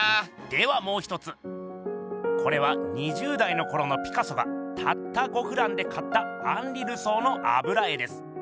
ではもう一つこれは２０代のころのピカソがたった５フランで買ったアンリ・ルソーのあぶら絵です。